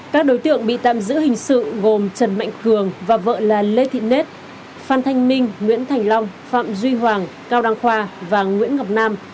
các đối tượng bị tạm giữ hình sự gồm trần mạnh cường và vợ là lê thị nết phan thanh minh nguyễn thành long phạm duy hoàng cao đăng khoa và nguyễn ngọc nam